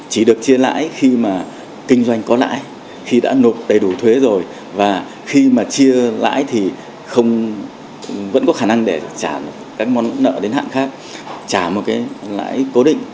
chỉ được chia lãi khi mà kinh doanh có lãi khi đã nộp đầy đủ thuế rồi và khi mà chia lãi thì không vẫn có khả năng để trả các món nợ đến hạn khác trả một cái lãi cố định